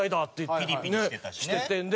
ピリピリしてたしね。